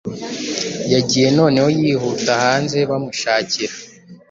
Yagiye noneho yihutahanze bamushakira